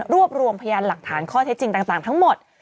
รวมรวมพยานหลักฐานข้อเท็จจริงต่างทั้งหมด